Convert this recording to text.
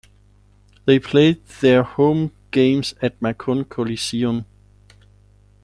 They played their home games at Macon Coliseum.